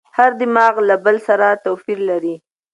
هر دماغ له بل سره توپیر لري.